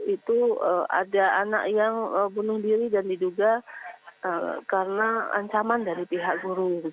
itu ada anak yang bunuh diri dan diduga karena ancaman dari pihak guru